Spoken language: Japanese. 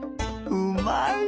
うまい！